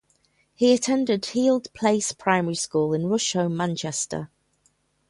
He attended Heald Place Primary School in Rusholme, Manchester.